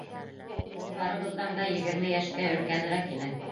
Ул барыбыҙҙан да егерме йәшкә өлкәнерәк ине.